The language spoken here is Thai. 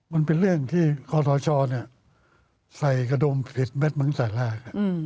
มันเป็นเรื่องที่กรทชเนี่ยใส่กระดมผิดเม็ดมันจากแรก